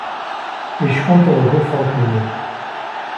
Yeckunṭeḍ deg ufurk-nni.